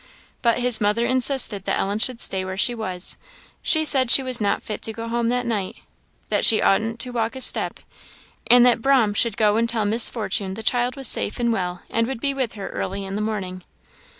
But his mother insisted that Ellen should stay where she was; she said she was not fit to go home that night, that she oughtn't to walk a step, and that " 'Brahm" should go and tell Miss Fortune the child was safe and well, and would be with her early in the morning.